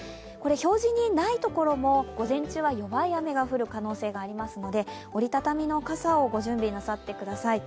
表示にない所も午前中は弱い雨が降る可能性がありますので折り畳みの傘をご準備なさってください。